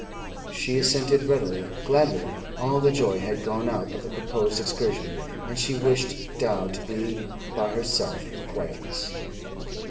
She assented readily, gladly; all the joy had gone out of the proposed excursion, and she wished now to be by herself in quietness.